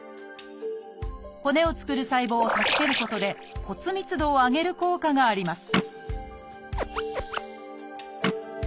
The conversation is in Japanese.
骨を作る細胞を助けることで骨密度を上げる効果があります